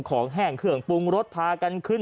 แห้งเครื่องปรุงรสพากันขึ้น